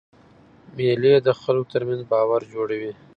مېلې د خلکو ترمنځ باور جوړوي.